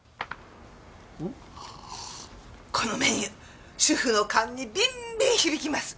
このメニュー主婦の勘にビンビン響きます。